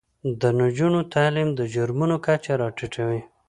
د نجونو تعلیم د جرمونو کچه راټیټوي.